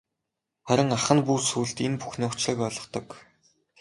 Харин ах нь бүр сүүлд энэ бүхний учрыг ойлгодог.